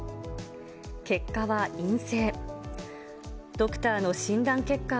結果は陰性。